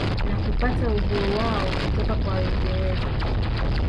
Na kupata uhuru wao kutoka kwa waingereza